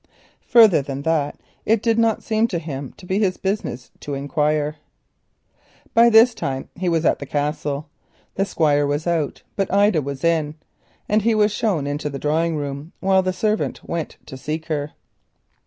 Further than that it did not seem to him to be his business to inquire. By this time he had reached the Castle. The Squire had gone out but Ida was in, and he was shown into the drawing room while the servant went to seek her.